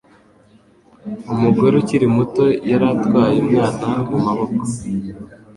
Umugore ukiri muto yari atwaye umwana mu maboko.